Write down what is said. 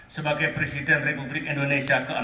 sebagai presiden republik indonesia ke enam